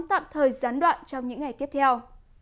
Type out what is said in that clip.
thời gián đoạn trong những ngày tiếp theo